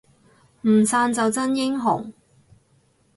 唔散就真英雄